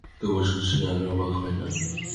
তবু শশী আর অবাক হয় না।